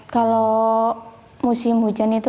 kalau musim hujan itu